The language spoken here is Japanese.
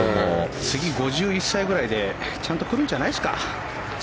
次、５１歳くらいでちゃんと来るんじゃないですか。